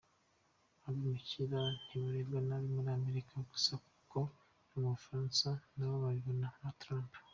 Abimukira ntibarebwa nabi muri Amerika gusa kuko no mu Bufaransa nabo babibona nka Trump.